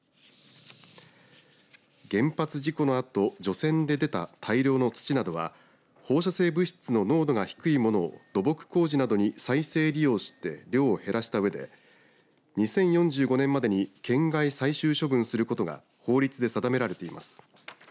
原発事故のあと除染で出た大量の土などは放射性物質の濃度が低いものを土木工事などに再生利用して量を減らしたうえで２０４５年までに県外最終処分することが法律で定められています。